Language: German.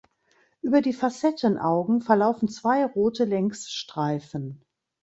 Über die Facettenaugen verlaufen zwei rote Längsstreifen.